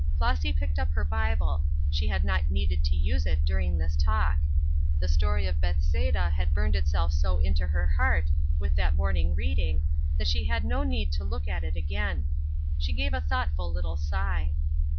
Flossy picked up her Bible; she had not needed to use it during this talk. The story of Bethesda had burned itself so into her heart with that morning reading that she had no need to look at it again. She gave a thoughtful little sigh.